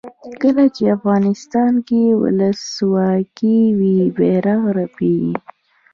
کله چې افغانستان کې ولسواکي وي بیرغ رپیږي.